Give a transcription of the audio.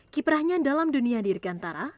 kiprahnya dalam dunia diri kantara